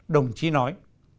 đồng chí nói